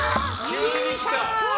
急に来た！